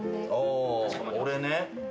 俺ね。